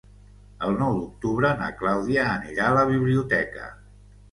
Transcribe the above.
El nou d'octubre na Clàudia anirà a la biblioteca.